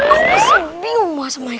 aku masih bingung bahasa michael